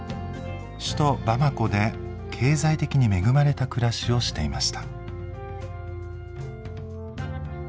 首都バマコで経済的に恵まれた暮らしをしていました。